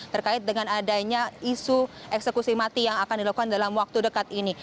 terkait dengan adanya isu eksekusi mati yang akan dilakukan dalam waktu dekat ini